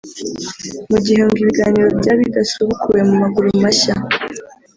Mu gihe ngo ibiganiro byaba bidasubukuwe mu maguru mashya